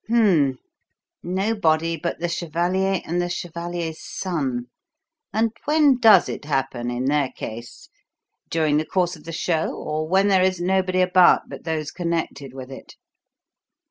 Hum m m! Nobody but the chevalier and the chevalier's son! And when does it happen in their case during the course of the show, or when there is nobody about but those connected with it?"